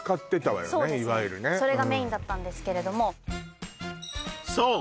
そうですねそれがメインだったんですけれどもそう！